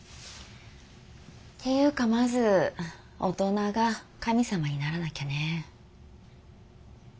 っていうかまず大人が神様にならなきゃね。